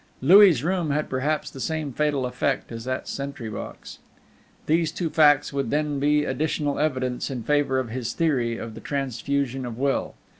Louis' room had perhaps the same fatal effect as that sentry box. These two facts would then be additional evidence in favor of his theory of the transfusion of Will.